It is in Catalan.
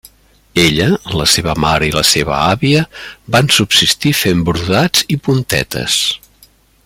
Ella, la seva mare i la seva àvia van subsistir fent brodats i puntetes.